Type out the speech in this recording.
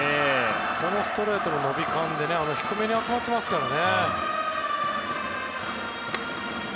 このストレートの伸び感で低めに集まってますからね。